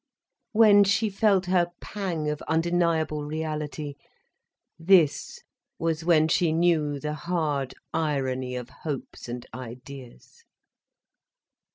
When she felt her pang of undeniable reality, this was when she knew the hard irony of hopes and ideas.